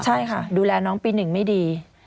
ใช่ค่ะดูแลน้องปี๑ไม่ดี